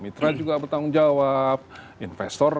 mitra juga bertanggung jawab investor